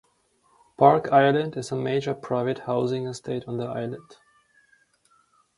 Park Island is a major private housing estate on the island.